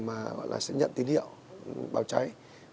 mà họ sẽ nhận tín hiệu báo cháy